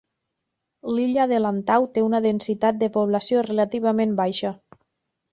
L'illa de Lantau té una densitat de població relativament baixa.